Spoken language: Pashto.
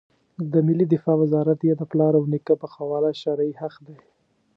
د ملي دفاع وزارت یې د پلار او نیکه په قواله شرعي حق دی.